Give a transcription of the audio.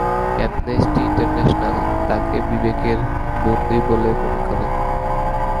Amnesty International তাকে "বিবেকের বন্দী" বলে মনে করে।